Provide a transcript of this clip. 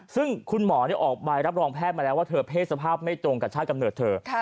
ซึ่งคุณหมอออกใบรับรองแพทย์มาแล้วว่าเธอเพศสภาพไม่ตรงกับชาติกำเนิดเธอ